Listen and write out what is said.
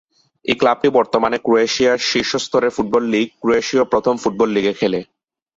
এই ক্লাবটি বর্তমানে ক্রোয়েশিয়ার শীর্ষ স্তরের ফুটবল লীগ ক্রোয়েশীয় প্রথম ফুটবল লীগে খেলে।